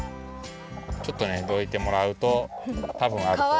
ちょっとねどいてもらうとたぶんあるとおもう。